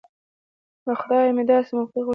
له خدايه مې داسې موقع غوښته.